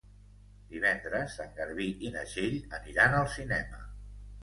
Divendres en Garbí i na Txell aniran al cinema.